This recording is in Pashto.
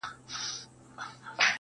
مینېږم زما فطرت عاشقانه دی,